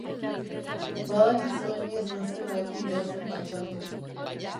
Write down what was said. Badakizue ni ez nazela egundo ezertan sartu.